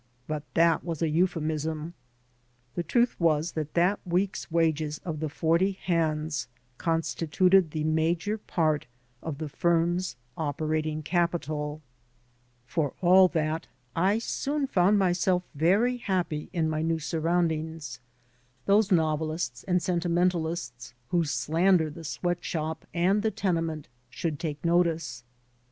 But that was a euphemism. The truth was that that week's wages of the forty hands constituted the major part of the firm's operating capital. For all that, I soon found myself very happy in my 143 AN AMERICAN IN THE MAKING new surroundings. Those novelists and sentimental ists who slander the sweat shop and the tenement should take notice.